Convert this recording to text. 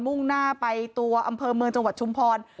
มุ่งหน้าไปตัวอำเภอเมืองจังหวัดชุมพร